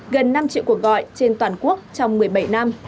gần năm triệu cuộc gọi trên toàn quốc trong một mươi bảy năm